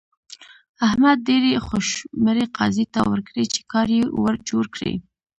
احمد ډېرې خوشمړې قاضي ته ورکړې چې کار يې ور جوړ کړي.